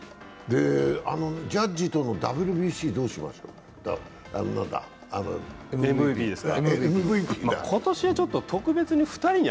ジャッジとのＷＢＣ、どうします？